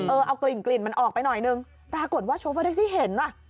เอากลิ่นกลิ่นมันออกไปหน่อยนึงปรากฏว่าโชเฟอร์แท็กซี่เห็นอ่ะ